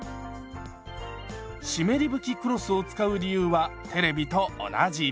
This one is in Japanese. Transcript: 湿り拭きクロスを使う理由はテレビと同じ。